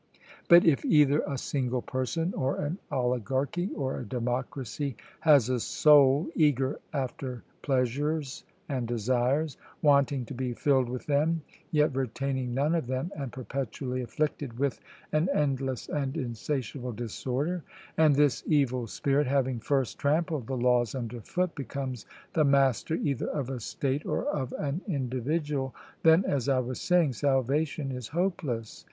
But if either a single person or an oligarchy or a democracy has a soul eager after pleasures and desires wanting to be filled with them, yet retaining none of them, and perpetually afflicted with an endless and insatiable disorder; and this evil spirit, having first trampled the laws under foot, becomes the master either of a state or of an individual, then, as I was saying, salvation is hopeless.